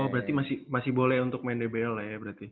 oh berarti masih boleh untuk main dbl lah ya berarti